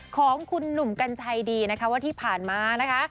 ของคุณหนุ่มกัญชัยดีนะคะว่าที่ผ่านมานะคะ